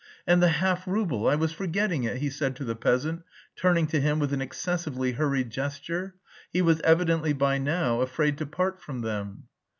"And the half rouble, I was forgetting it!" he said to the peasant, turning to him with an excessively hurried gesture; he was evidently by now afraid to part from them.